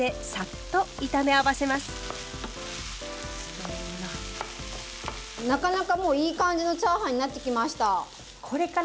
パラパラになったらなかなかもういい感じのチャーハンになってきました。